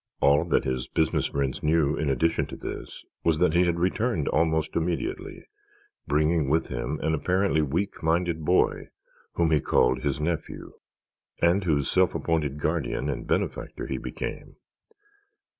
All that his business friends knew in addition to this was that he had returned almost immediately, bringing with him an apparently weak minded boy whom he called his nephew and whose self appointed guardian and benefactor he became.